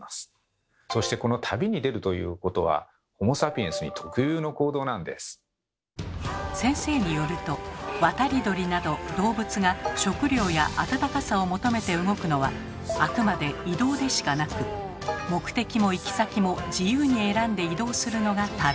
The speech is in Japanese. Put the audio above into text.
そしてこの旅に出るということは先生によると渡り鳥など動物が食料や暖かさを求めて動くのはあくまで「移動」でしかなく目的も行き先も自由に選んで移動するのが「旅」。